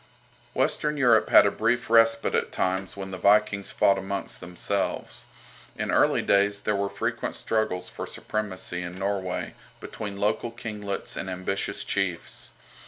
Western Europe had a brief respite at times when the Vikings fought amongst themselves. In early days there were frequent struggles for supremacy in Norway, between local kinglets and ambitious chiefs.